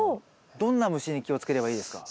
どんな虫に気をつければいいですか？